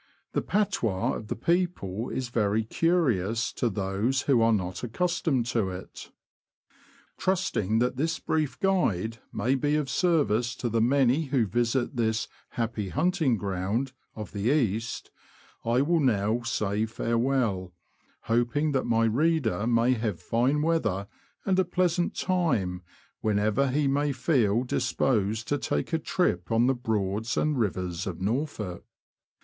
The patois of the people is very curious to those who are not accustomed to it. Trusting that this brief Guide may be of service to the many who visit this ''happy hunting ground" of 204 THE LAND OF THE BROADS. the East, I will now say farewell, hoping that my reader may have fine weather and a pleasant time whenever he may feel disposed to take a trip on the Broads and Rivers of Norfolk.